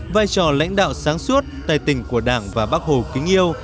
vai trò lãnh đạo sáng suốt tài tình của đảng và bác hồ kính yêu